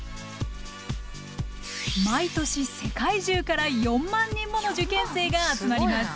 毎年世界中から４万人もの受験生が集まります。